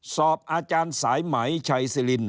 สอบอาจารย์สายไหมชัยสิริน